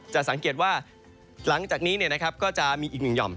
จะสังเกตว่าหลังจากนี้ก็จะมีอีกหนึ่งห่อม